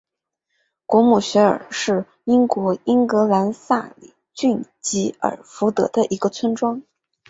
果姆雪尔是英国英格兰萨里郡吉尔福德的一个村庄。